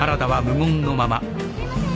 ・すいません！